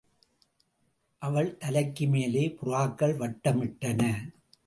அவள் தலைக்கு மேலே புறாக்கள் வட்டமிட்டன.